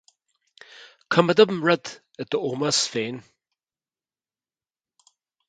Coimeádaim rud i d'ómós féin